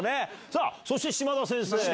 さぁそして島田先生。